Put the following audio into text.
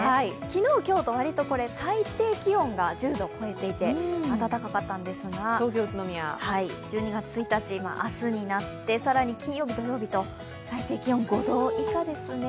昨日、今日と最低気温が１０度を超えていて暖かったんんですが、金曜日、明日になって、更に金曜日、土曜日と最低気温５度以下ですね。